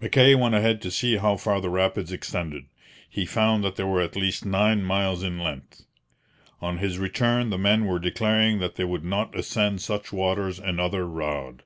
Mackay went ahead to see how far the rapids extended. He found that they were at least nine miles in length. On his return the men were declaring that they would not ascend such waters another rod.